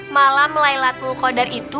malam laya tukau datang itu